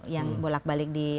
yang bolak balik di